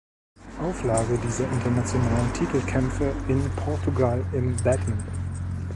Auflage dieser internationalen Titelkämpfe in Portugal im Badminton.